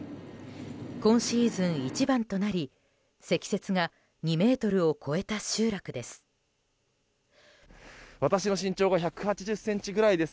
今シーズン一番となり積雪が２ｍを超えた集落です。